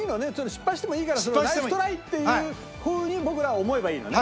失敗してもいいからナイストライ！っていうふうに僕らは思えばいいのね。